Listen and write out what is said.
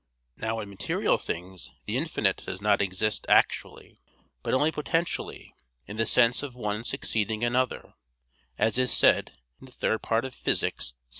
Now in material things the infinite does not exist actually, but only potentially, in the sense of one succeeding another, as is said Phys. iii, 6.